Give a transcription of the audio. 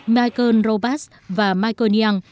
michael robas và michael young